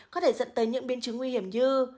có thể dẫn tới những biến chứng nguy hiểm như